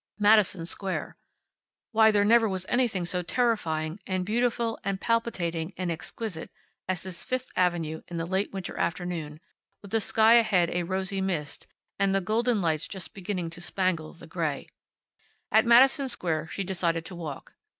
Madison Square. Why there never was anything so terrifying, and beautiful, and palpitating, and exquisite as this Fifth avenue in the late winter afternoon, with the sky ahead a rosy mist, and the golden lights just beginning to spangle the gray. At Madison Square she decided to walk.